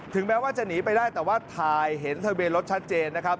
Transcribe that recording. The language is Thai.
แม้ว่าจะหนีไปได้แต่ว่าถ่ายเห็นทะเบียนรถชัดเจนนะครับ